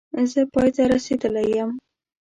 زه پای ته رسېدلی یم